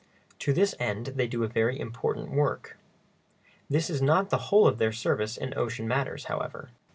To this end they do a very important work. This is not the whole of their service in ocean matters, however.